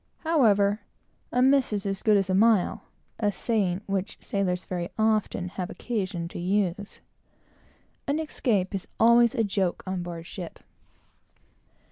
However, "a miss is as good as a mile;" a saying which sailors very often have occasion to use. An escape is always a joke on board ship.